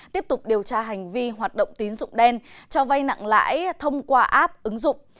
tiếp tục điều tra hành vi hoạt động tín dụng đen cho vay nặng lãi thông qua app ứng dụng